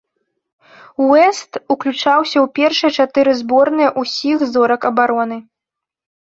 Уэст уключаўся ў першыя чатыры зборныя ўсіх зорак абароны.